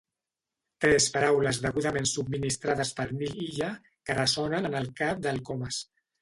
Tres paraules degudament subministrades per Nil Illa que ressonen en el cap del Comas.